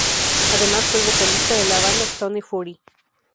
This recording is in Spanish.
Además fue el vocalista de la banda "Stone Fury".